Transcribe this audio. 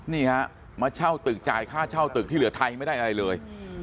นี่ฮะมาเช่าตึกจ่ายค่าเช่าตึกที่เหลือไทยไม่ได้อะไรเลย